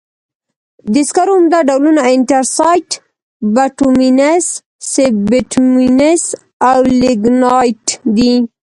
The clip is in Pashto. د سکرو عمده ډولونه انترسایت، بټومینس، سب بټومینس او لېګنایټ دي.